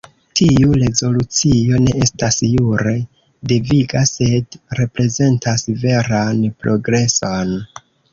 Tiu rezolucio ne estas jure deviga, sed reprezentas veran progreson.